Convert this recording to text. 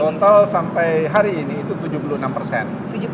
total sampai hari ini itu tujuh puluh enam persen